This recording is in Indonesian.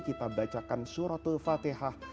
kita bacakan suratul fatihah